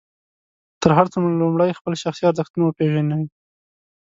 تر هر څه لومړی خپل شخصي ارزښتونه وپېژنئ.